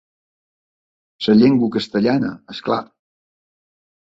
La llengua castellana, és clar.